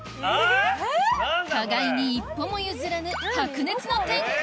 互いに一歩も譲らぬ白熱の展開！